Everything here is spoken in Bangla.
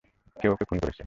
কেউ ওকে খুন করেছে।